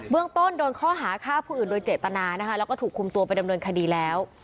เรื่องต้นโดนข้อหาฆ่าผู้อื่นโดยเจตนานะคะแล้วก็ถูกคุมตัวไปดำเนินคดีแล้ว